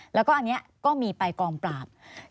แล้วก็อันนี้ก็มีไปกองปราบ